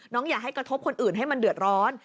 อย่าให้กระทบคนอื่นให้มันเดือดร้อน